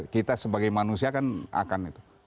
kita sebagai manusia kan akan itu